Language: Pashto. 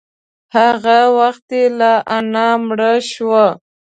هغه وختي لا انا مړه شوه.